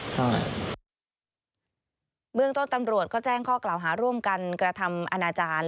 เขาแจ้งข้อกล่าวหาร่วมกันกระทำอาณาจารย์